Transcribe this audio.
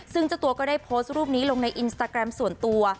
ซึ่งเจ้าตัวก็ได้โพสต์รูปนี้ลงในอินสตาแกรมส่วนตัว